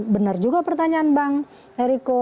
benar juga pertanyaan bang eriko